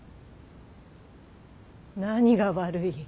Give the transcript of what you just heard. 何が悪い。